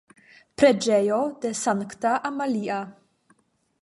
Preĝejo de Sankta Amalia.